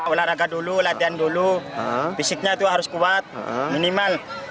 olahraga dulu latihan dulu fisiknya itu harus kuat minimal